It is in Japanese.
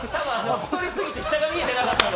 太りすぎて、下が見えてなかったんだ。